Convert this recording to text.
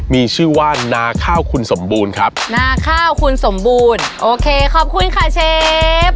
มีชื่อว่านาข้าวคุณสมบูรณ์ครับนาข้าวคุณสมบูรณ์โอเคขอบคุณค่ะเชฟ